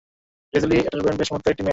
Rosalie Otterbourne বেশ চমৎকার একটা মেয়ে!